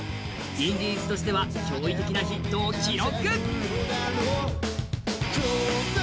インディーズとしては驚異的なヒットを記録。